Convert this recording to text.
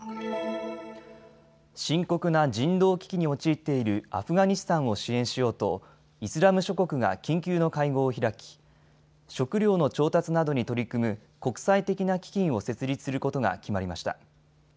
深刻な人道危機に陥っているアフガニスタンを支援しようとイスラム諸国が緊急の会合を開き食料の調達などに取り組む国際的な基金を設立することが決まりました。